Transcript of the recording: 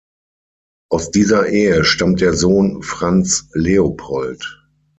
Aus dieser Ehe stammt der Sohn Franz Leopold.